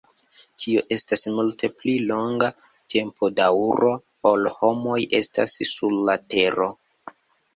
Tio estas multe pli longa tempodaŭro, ol homoj estas sur la Tero.